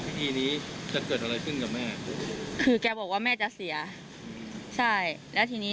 พิธีนี้จะเกิดอะไรขึ้นกับแม่คือแกบอกว่าแม่จะเสียใช่แล้วทีนี้